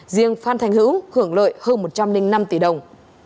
riêng phan thành hữu hưởng lợi hơn một trăm linh năm tỷ đồng